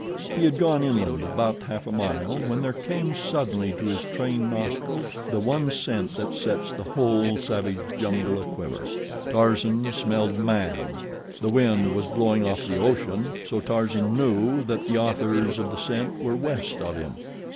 He had gone inland about half a mile when there came suddenly to his trained nostrils the one scent that sets the whole savage jungle aquiver—Tarzan smelled man. The wind was blowing off the ocean, so Tarzan knew that the authors of the scent were west of him.